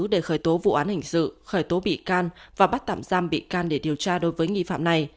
để khởi tố vụ án hình sự khởi tố bị can và bắt tạm giam bị can để điều tra đối với nghi phạm này